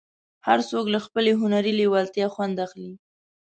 هر څوک له خپلې هنري لېوالتیا خوند اخلي.